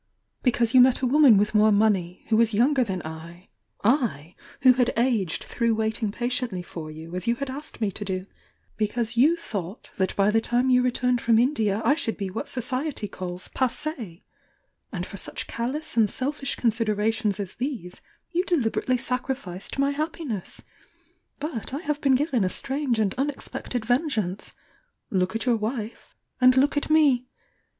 Because you met a woman with more money, who was younger than I — I, who had aged through waiting patiently for you, as you had asked me to do — because you thought that by the time you returned from Indi* I should be what Society calls passed And for such callous and selfish considerations as these you de liberately sacrificed my happiness! But I have been given a strange and unexpected vengeance! — look at your wife and look at me!